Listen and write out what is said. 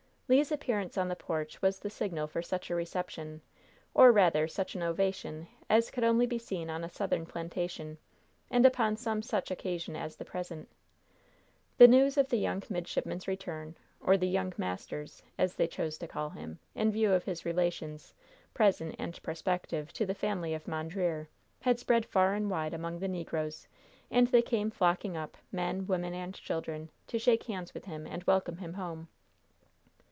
Le's appearance on the porch was the signal for such a reception, or, rather, such an ovation, as could only be seen on a Southern plantation, and upon some such occasion as the present. The news of the young midshipman's return or "the young master's," as they chose to call him, in view of his relations, present and prospective, to the family of Mondreer had spread far and wide among the negroes, and they came flocking up, men, women and children, to shake hands with him and welcome him home.